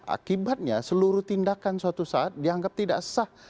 akibatnya seluruh tindakan suatu saat dianggap tidak sah